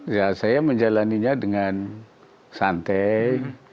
ya saya menjalannya dengan santai